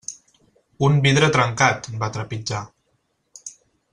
Un vidre trencat, va trepitjar.